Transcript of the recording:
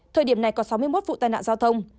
thời điểm này có sáu mươi một vụ tai nạn giao thông